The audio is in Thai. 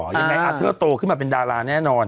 ยังไงอาเทอร์โตขึ้นมาเป็นดาราแน่นอน